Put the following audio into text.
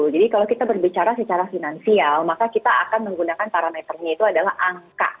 jadi kalau kita berbicara secara finansial maka kita akan menggunakan parameternya itu adalah angka